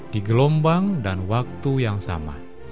di gelombang dan waktu yang sama